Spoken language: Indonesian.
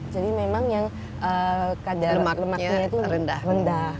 jadi memang yang kadar lemaknya itu rendah